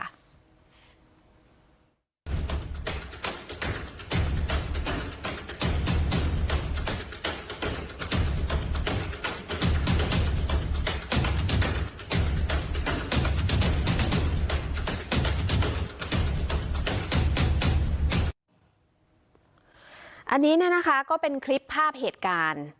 อันนี้เนี่ยนะคะก็เป็นคลิปภาพเหตุการณ์